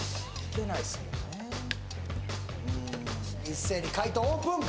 一斉に解答オープン！